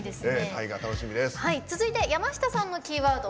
続いて、山下さんのキーワード